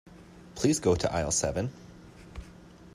Please go to aisle seven.